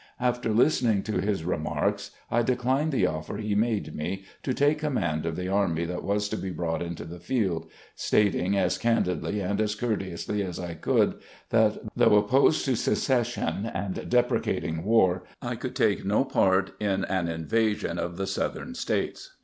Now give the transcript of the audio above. After listening to his remarks, I declined the offer he made me, to take command of the army that was to be brought into the field ; stating, as candidly and as courteously as I could, that, though opposed to secession and deprecating war, I could take no part in an invasion of the Southern States.